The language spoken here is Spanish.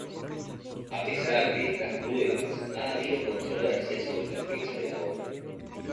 A pesar de estas pruebas, ha habido controversias sobre la fecha de la obra.